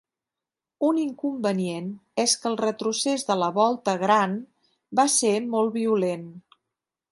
Un inconvenient és que el retrocés de la volta gran va ser molt violent.